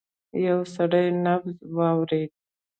يو سړی نبض واورېد.